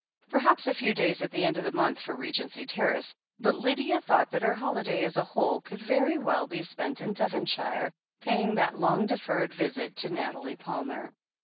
Perhaps a few days at 264 THE HEEL OF ACHILLES the end of the month for Regency Terrace, but Lydia thought that her holiday as a whole could very well be spent in Devonshire, paying that long deferred visit to Nathalie Palmer.